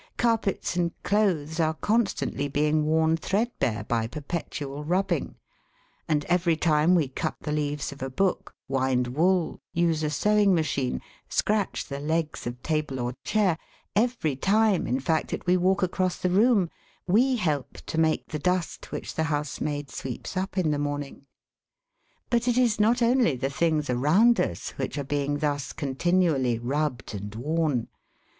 Carpets and clothes are constantly being worn threadbare by perpetual rubbing ; and every time we cut the leaves of a book, wind wool, use a sewing machine, scratch the legs of table or chair, every time, in fact, that we walk across the room, we help to make the dust which the housemaid sweeps up in the morning. But it is not only the things around us which are being thus continually rubbed and worn.